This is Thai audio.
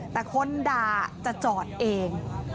แต่คนด่าจะจอดเอง